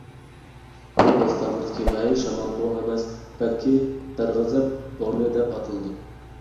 بۇ بوستانلىقتىكى مەيىن شامالمۇ ئەمەس. بەلكى «دەرغەزەپ بورىنى» دەپ ئاتىلىدۇ.